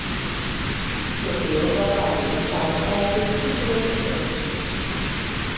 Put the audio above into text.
Sophia Valverde stars as the titular character.